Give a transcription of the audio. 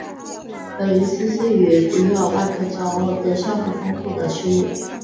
本鱼栖息在舄湖与外礁斜坡的珊瑚丰富的区域。